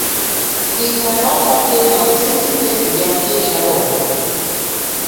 Itsarotake notsitzite yake sharo.